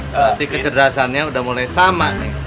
berarti kecerdasannya sudah mulai sama nih